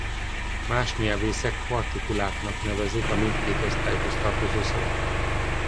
Más nyelvészek partikuláknak nevezik a mindkét osztályhoz tartozó szavakat.